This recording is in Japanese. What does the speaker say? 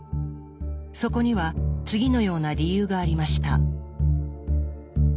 そこには次のような理由がありました。